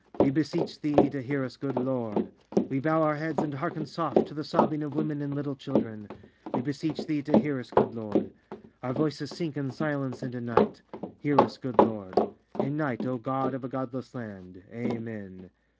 We beseech Thee to hear us, good Lord! We bow our heads and hearken soft to the sobbing of women and little children. We beseech Thee to hear us, good Lord! Our voices sink in silence and in night. Hear us, good Lord! In night, O God of a godless land! Amen!